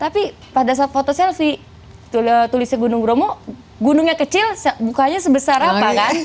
tapi pada saat foto selfie tulisnya gunung bromo gunungnya kecil bukanya sebesar apa kan